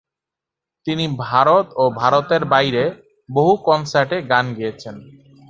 তিনি ভারত ও ভারতের বাইরে বহু কনসার্টে গান গেয়েছেন।